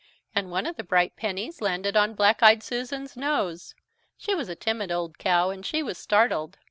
And one of the bright pennies landed on Black eyed Susan's nose. She was a timid old cow and she was startled.